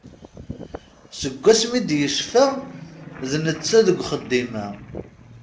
Seg wasmi i d-yecfa d netta deg uxeddim-a.